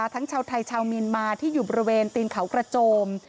ชาวไทยชาวเมียนมาที่อยู่บริเวณตีนเขากระโจม